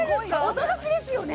驚きですよね